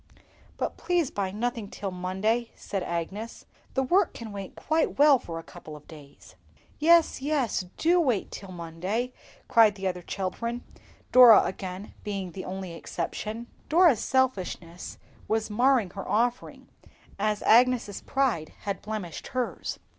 "But please buy nothing till Monday," said Agnes; "the work can wait quite well for a couple of days." "Yes, yes, do wait till Monday," cried the other children; Dora again being the only exception. Dora's selfishness was marring her offering, as Agnes's pride had blemished hers.